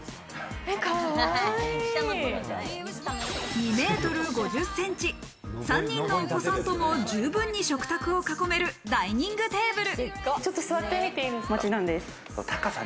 ２ｍ５０ｃｍ、３人のお子さんとも十分に食卓を囲めるダイニングテーブル。